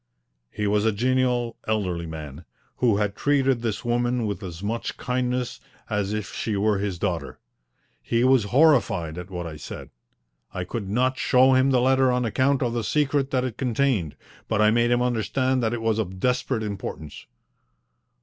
He was a genial, elderly man, who had treated this woman with as much kindness as if she were his daughter. He was horrified at what I said. I could not show him the letter on account of the secret that it contained, but I made him understand that it was of desperate importance.